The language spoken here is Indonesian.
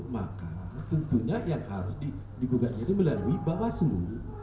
maka tentunya yang harus digugat itu melalui bawaslu